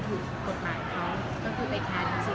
ก็คือไปแดดมาเศษลี่ไว้ได้